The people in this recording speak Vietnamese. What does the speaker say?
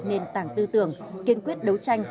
nền tảng tư tưởng kiên quyết đấu tranh